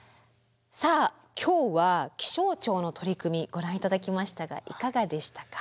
さあ今日は気象庁の取り組みご覧頂きましたがいかがでしたか？